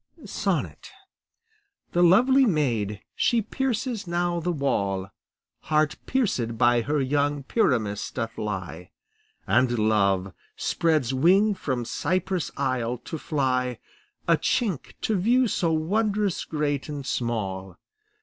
SONNET The lovely maid, she pierces now the wall; Heart pierced by her young Pyramus doth lie; And Love spreads wing from Cyprus isle to fly, A chink to view so wondrous great and small.